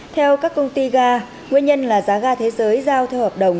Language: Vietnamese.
theo các công ty ga nguyên nhân là giá ga thế giới giao theo hợp đồng